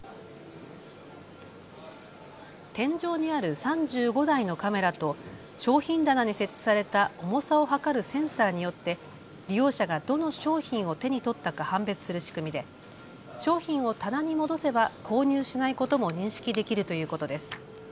天井にある３５台のカメラと商品棚に設置された重さを量るセンサーによって利用者がどの商品を手に取ったか判別する仕組みで商品を棚に戻せば購入しないことも認識できるということです。